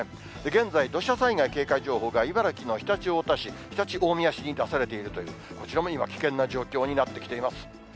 現在、土砂災害警戒情報が茨城の常陸太田市、常陸大宮市に出されているという、こちらも今、危険な状況になってきています。